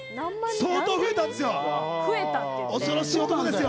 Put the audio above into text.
相当増えたんですよ